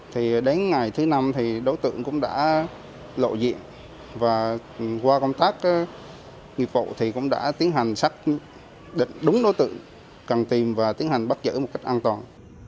thì đến ngày thứ năm thì đối tượng cũng đã lộ diện và qua công tác nghiệp vụ thì cũng đã tiến hành xác định đúng đối tượng cần tìm và tiến hành bắt giữ một cách an toàn